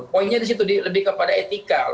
poinnya di situ lebih kepada etika